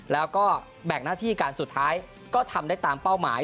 แล้วก็แบ่งหน้าที่การสุดท้ายก็ทำได้ตามเป้าหมาย